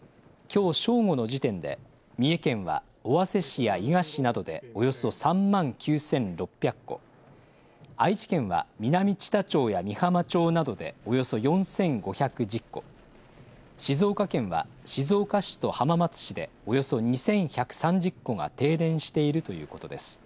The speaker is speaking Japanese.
きょう正午の時点で三重県は尾鷲市や伊賀市などでおよそ３万９６００戸、愛知県は南知多町や美浜町などでおよそ４５１０戸、静岡県は静岡市と浜松市でおよそ２１３０戸が停電しているということです。